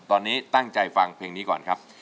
ตอนนี้ตั้งใจฟังเพลงนี้ก่อนครับ